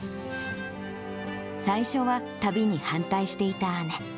最初は旅に反対していた姉。